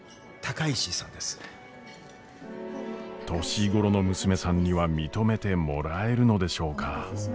年頃の娘さんには認めてもらえるのでしょうか？